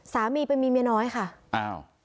สามีไปมีเมียน้อยค่ะอ้าว